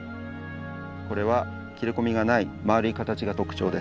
これは切れ込みがない丸い形が特徴ですね。